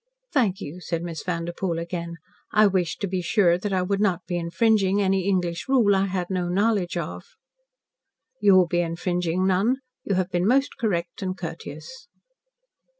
"Thank you," said Miss Vanderpoel again. "I wished to be sure that I should not be infringing any English rule I had no knowledge of." "You will be infringing none. You have been most correct and courteous."